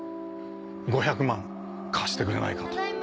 ５００万貸してくれないかと。